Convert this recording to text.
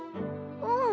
うん。